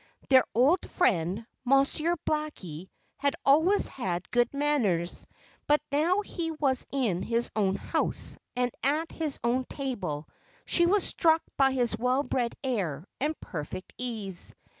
Their old friend, Monsieur Blackie, had always had good manners; but now that he was in his own house, and at his own table, she was struck by his well bred air and perfect ease.